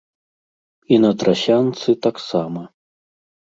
І на трасянцы таксама.